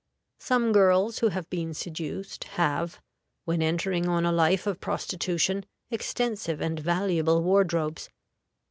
Some girls who have been seduced have, when entering on a life of prostitution, extensive and valuable wardrobes.